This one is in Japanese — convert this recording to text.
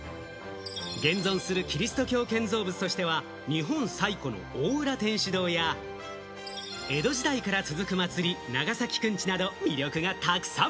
現存するキリスト教建造物としては日本最古の大浦天主堂や江戸時代から続く祭り長崎くんちなど、魅力がたくさん！